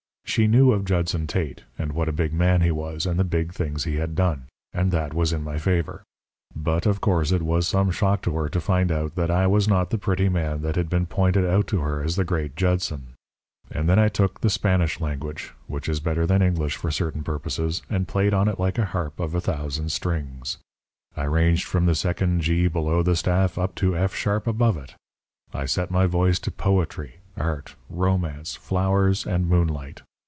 She knew of Judson Tate, and what a big man he was, and the big things he had done; and that was in my favour. But, of course, it was some shock to her to find out that I was not the pretty man that had been pointed out to her as the great Judson. And then I took the Spanish language, which is better than English for certain purposes, and played on it like a harp of a thousand strings. I ranged from the second G below the staff up to F sharp above it. I set my voice to poetry, art, romance, flowers, and moonlight.